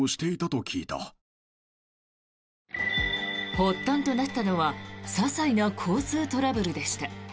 発端となったのはささいな交通トラブルでした。